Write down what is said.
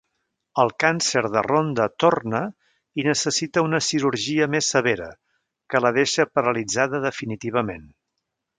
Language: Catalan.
El càncer de Rhonda torna i necessita una cirurgia més severa, que la deixa paralitzada definitivament.